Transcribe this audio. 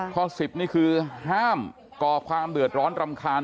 ข้อ๑๐นี่คือห้ามก่อความเดือดร้อนรำคาญ